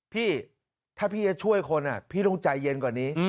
พี่ถ้าพี่จะช่วยคนพี่ต้องใจเย็นกว่านี้